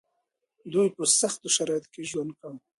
دوی په سختو شرايطو کې ژوند کاوه.